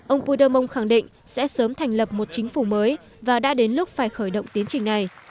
ông pudermon khẳng định sẽ sớm thành lập một chính phủ mới và đã đến lúc phải khởi động tiến trình này